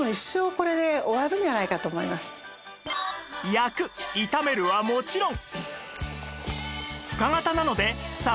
焼く炒めるはもちろん